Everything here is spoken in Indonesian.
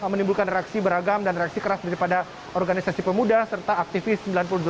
menimbulkan reaksi beragam dan reaksi keras daripada organisasi pemuda serta aktivis sembilan puluh delapan